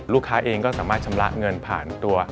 ลูกค้าเองก็สามารถชำระเงินผ่านตัว